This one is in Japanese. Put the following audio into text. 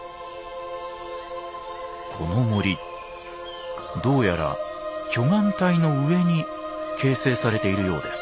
この森どうやら巨岩帯の上に形成されているようです。